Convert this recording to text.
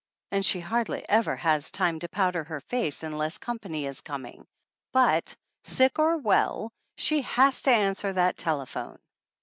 And she hardly ever has time to powder her face unless company is coming, but, sick or well, she has to answer that telephone!